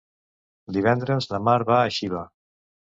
Divendres na Mar va a Xiva.